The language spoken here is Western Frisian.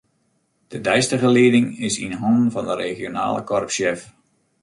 De deistige lieding is yn hannen fan de regionale korpssjef.